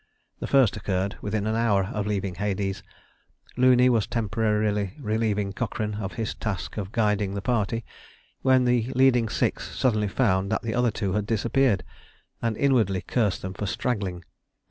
The first occurred within an hour of leaving "Hades." Looney was temporarily relieving Cochrane of his task of guiding the party, when the leading six suddenly found that the other two had disappeared, and inwardly cursed them for straggling.